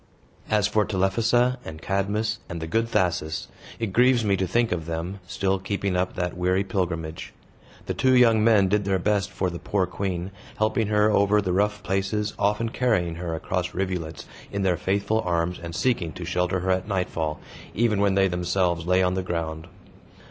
As for Telephassa, and Cadmus, and the good Thasus, it grieves me to think of them, still keeping up that weary pilgrimage. The two young men did their best for the poor queen, helping her over the rough places, often carrying her across rivulets in their faithful arms and seeking to shelter her at nightfall, even when they themselves lay on the ground.